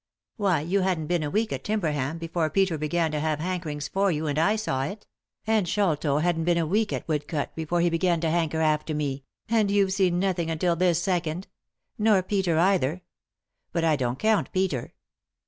Why, you hadn't been a week at Timberham before Peter began to have hankerings for you, and I saw it ; and Sholto hadn't been a week at Woodcote before he began to hanker after me ; and you've seen nothing until this second; nor Peter either. But I don't count Peter."